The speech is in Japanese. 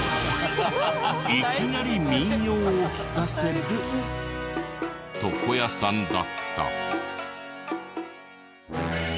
いきなり民謡を聴かせる床屋さんだった。